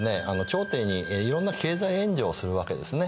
朝廷にいろんな経済援助をするわけですね。